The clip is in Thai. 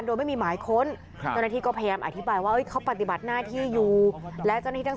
ดิฉันมีภาพชัดเจนคุณต้องฟังดิฉันบ้าง